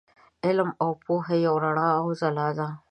علم او پوهه یوه رڼا او ځلا ده.